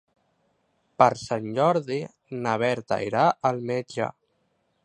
Per Sant Jordi na Berta irà al metge.